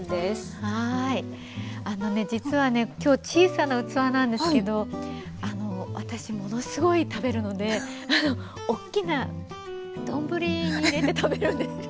あのね実はね今日小さな器なんですけど私ものすごい食べるのでおっきな丼に入れて食べるんですよ。